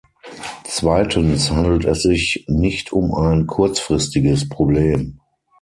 Zweitens handelt es sich nicht um ein kurzfristiges Problem.